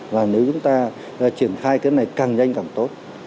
và nếu chúng ta triển khai cái này càng nhanh càng tốt